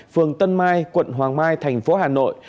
phường tân mai quận hoàng mai thành phố hà nội